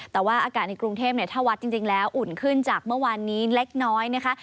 แต่ว่าอากาศในกรุงเทพถ้าวัดจริงแล้วอุ่นขึ้นจากเมื่อวานนี้เล็กน้อยนะคะ